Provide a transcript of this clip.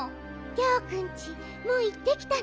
ギャオくんちもういってきたの？